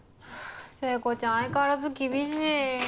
聖子ちゃん相変わらず厳しい。